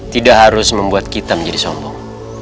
tidak harus membuat kita menjadi sombong